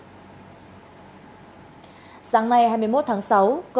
sáng nay hai mươi một tháng sáu công an thành phố hải dương đã đưa đến cấp cứu nhưng đã tử vong trước đó